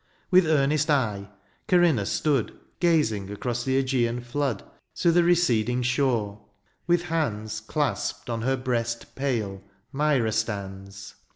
With earnest eye Corinn^ stood Gazing across the ^gean flood To the receding shore — ^with hands Clasped on her breast pale Myra stands.